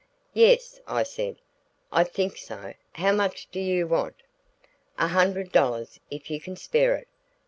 "Yes," I said, "I think so; how much do you want?" "A hundred dollars if you can spare it.